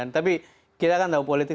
tapi kita kan tahu politik